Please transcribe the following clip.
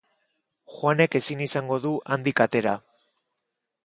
Juanek ezin izango du handik atera.